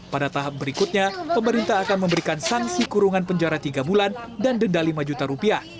pada tahap berikutnya pemerintah akan memberikan sanksi kurungan penjara tiga bulan dan denda lima juta rupiah